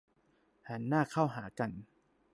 หันหน้าเข้าหากัน